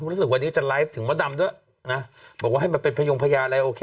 รู้สึกวันนี้จะไลฟ์ถึงมดดำด้วยนะบอกว่าให้มันเป็นพยงพญาอะไรโอเค